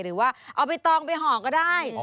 หรือว่าเอาใบตองไปห่อก็ได้